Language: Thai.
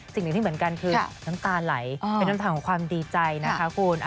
สิ่งหนึ่งที่เหมือนกันคือน้ำตาไหลเป็นน้ำทางของความดีใจนะคะคุณ